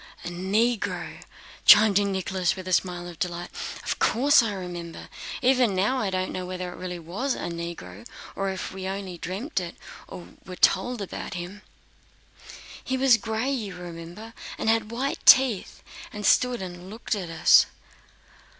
"A Negro," chimed in Nicholas with a smile of delight. "Of course I remember. Even now I don't know whether there really was a Negro, or if we only dreamed it or were told about him." "He was gray, you remember, and had white teeth, and stood and looked at us...."